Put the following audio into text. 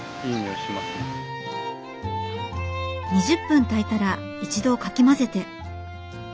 ２０分炊いたら一度かき混ぜて。